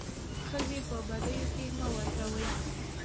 ښځي په بديو کي مه ورکوئ.